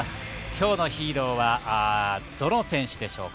今日のヒーローはどの選手でしょうか？